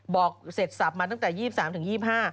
บอกเสร็จสับมาตั้งแต่๒๓๒๕